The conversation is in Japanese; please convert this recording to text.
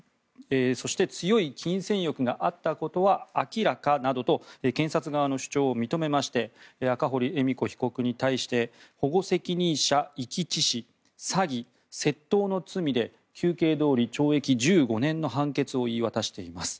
そして強い金銭欲があったことは明らかなどと検察側の主張を認めまして赤堀恵美子被告に対して保護責任者遺棄致死詐欺、窃盗の罪で求刑どおり懲役１５年の判決を言い渡しています。